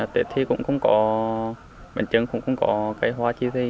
tết thì cũng có bình chân cũng có cái hoa chí gì